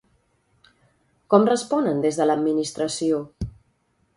Com responen des de l'administració?